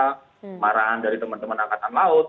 kemarahan dari teman teman angkatan laut